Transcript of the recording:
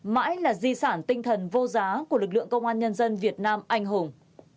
mãi là di sản tinh thần vô giá của lực lượng công an nhân dân việt nam anh hùng